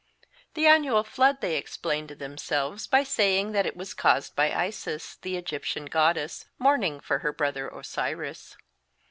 The annual flood they explained to themselves by saying that it was caused by Isis, the Egyptian goddess, mourning for her brother Osiris.